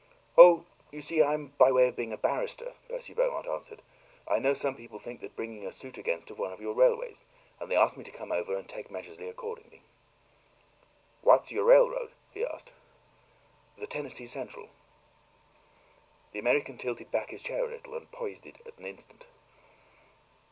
"Oh, you see I'm by way of being a barrister," Percy Beaumont answered. "I know some people that think of bringing a suit against one of your railways, and they asked me to come over and take measures accordingly." "What's your railroad?" he asked. "The Tennessee Central." The American tilted back his chair a little and poised it an instant.